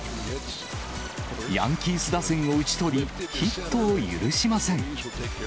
ヤンキース打線を打ち取り、ヒットを許しません。